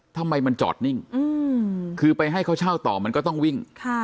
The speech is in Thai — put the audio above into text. ทำไมมันจอดนิ่งคือไปให้เขาเช่าต่อมันก็ต้องวิ่ง